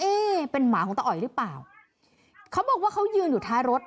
เป็นหมาของตาอ๋อยหรือเปล่าเขาบอกว่าเขายืนอยู่ท้ายรถ